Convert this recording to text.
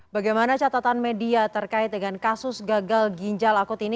bagaimana catatan media terkait dengan kasus gagal ginjal akut ini